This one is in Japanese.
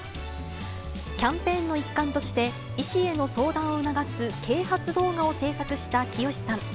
キャンペーンの一環として、医師への相談を促す啓発動画を制作したきよしさん。